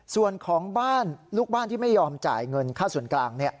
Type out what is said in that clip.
ส่วนของบ้านลูกบ้านที่ไม่ยอมจ่ายเงินค่าส่วนกลาง